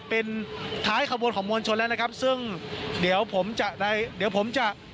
เป็นท้ายขบวนของมวลชนแล้วนะครับซึ่งเดี๋ยวผมจะได้เดี๋ยวผมจะ